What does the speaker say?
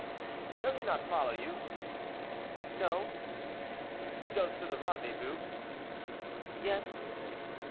"Does he not follow you?" "No." "He goes to the rendezvous?" "Yes."